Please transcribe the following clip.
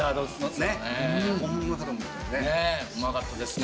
ねぇうまかったですね。